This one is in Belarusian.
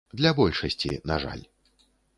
Для большасці, на жаль.